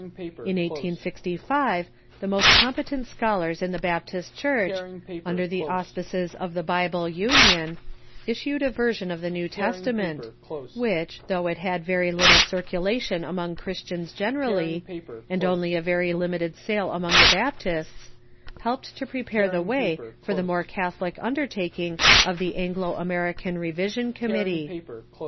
In 1865, the most competent scholars in the Baptist Church, under the auspices of the Bible Union, issued a version of the New Testament, which, though it had very little circulation among Christians generall}'^, and only a very limited sale among the Baptists, helped to prepare the way for the more catholic undertaking of the Anglo American Revision Committee.